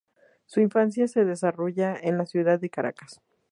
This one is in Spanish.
Su infancia se desarrolla en la ciudad de Caracas.